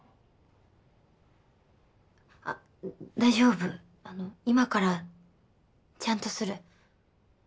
あっ大丈夫あの今からちゃんとする。